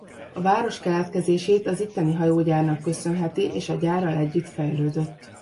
A város keletkezését az itteni hajógyárnak köszönheti és a gyárral együtt fejlődött.